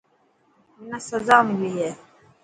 منا سزا ملي هي.